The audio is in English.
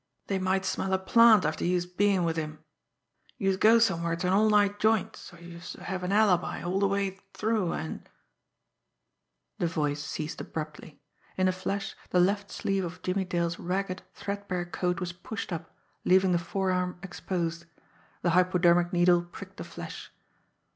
Dey might smell a plant after youse bein' wid him. Youse go somewhere to an all night joint so's youse have an alibi all de way through, an' " The voice ceased abruptly. In a flash the left sleeve of Jimmie Dale's ragged, threadbare coat was pushed up, leaving the forearm exposed. The hypodermic needle pricked the flesh.